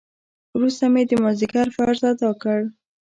وروسته مې د مازديګر فرض ادا کړ.